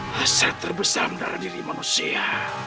hasrat terbesar darah diri manusia